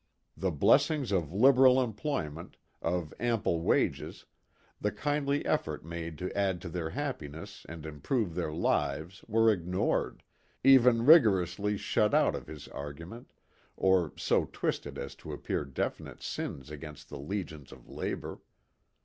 The blessings of liberal employment, of ample wages, the kindly efforts made to add to their happiness and improve their lives were ignored, even rigorously shut out of his argument, or so twisted as to appear definite sins against the legions of labor.